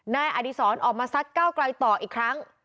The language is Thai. นายอดีศรออกมาซัดก้าวไกลต่ออีกครั้ง